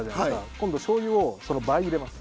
今度しょうゆをその倍入れます。